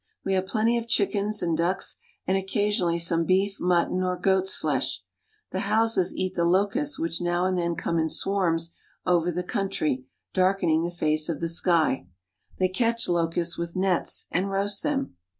We have plenty of chickens and ducks and occasionally some beef, mutton, or goat's flesh. The Hausas eat the locusts which now and then come in swarms over the country, darkening the face of the sky. They catch locusts with nets and roast them.